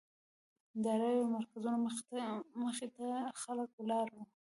د رایو مرکزونو مخې ته خلک ولاړ وو.